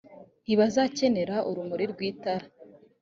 ntibazakenera urumuri rw itara